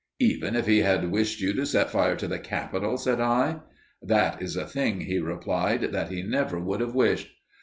"Even if he had wished you to set fire to the Capitol?" said I. "That is a thing," he replied, "that he never would have wished."